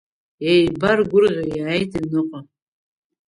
Иеибаргәырӷьо иааит аҩныҟа.